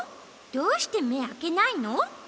どうしてめあけないの？